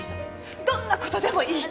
どんな事でもいい。